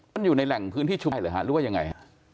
มันอยู่ในแหล่งพื้นที่ชุมหรือฮะหรือว่ายังไง